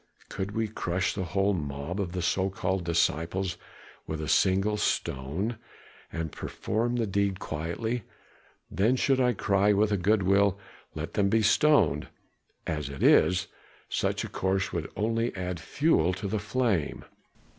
Could we crush the whole mob of the so called disciples with a single stone, and perform the deed quietly, then should I cry with a good will, 'Let them be stoned.' As it is, such a course would only add fuel to the flame."